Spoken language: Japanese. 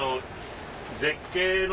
絶景の。